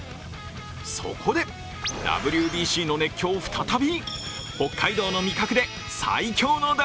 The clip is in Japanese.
そこで、ＷＢＣの熱狂再び！？